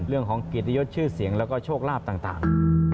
เรื่องของเกียรติยศชื่อเสียงแล้วก็โชคลาภต่าง